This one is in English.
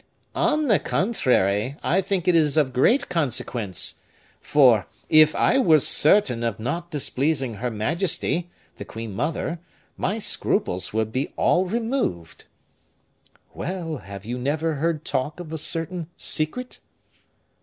"On the contrary, I think it is of great consequence; for, if I were certain of not displeasing her majesty, the queen mother, my scruples would be all removed." "Well! have you never heard talk of a certain secret?"